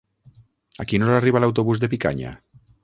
A quina hora arriba l'autobús de Picanya?